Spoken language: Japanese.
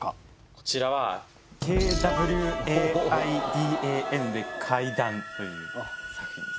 こちらはＫＷＡＩＤＡＮで「ＫＷＡＩＤＡＮ」という作品です